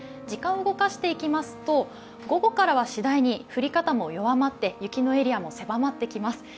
時間を動かしていきますと、午後からはしだいに降り方も弱まって雪のエリアも狭まってきます。